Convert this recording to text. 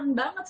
itu tuh itu tuh